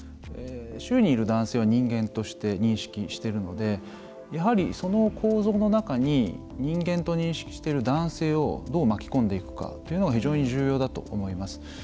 周囲にいる男性は人間として認識しているのでやはり、その構造の中に人間と認識している男性をどう巻き込んでいくかというのが非常に重要だと思います。